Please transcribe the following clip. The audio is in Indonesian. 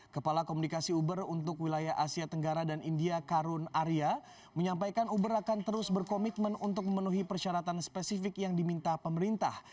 kepala komunikasi uber untuk wilayah asia tenggara dan india karun arya menyampaikan uber akan terus berkomitmen untuk memenuhi persyaratan spesifik yang diminta pemerintah